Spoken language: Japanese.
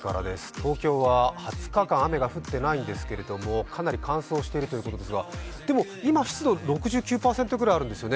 東京は２０日間、雨が降っていないんですがかなり乾燥しているということですが、でも今、湿度６９％ぐらいあるんですよね。